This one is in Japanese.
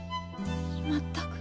全く？